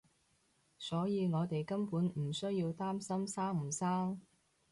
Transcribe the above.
所以我哋根本唔需要擔心生唔生